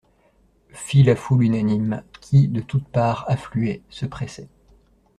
Fit la foule unanime qui, de toutes parts, affluait, se pressait.